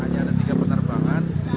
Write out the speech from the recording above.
hanya ada tiga penerbangan